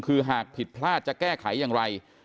คือหากผิดพลาดจะแก้ไขอย่างไร